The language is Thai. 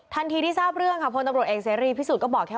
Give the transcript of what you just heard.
ทันทีที่ทราบเรื่องค่ะพลตำรวจเอกเสรีพิสุทธิ์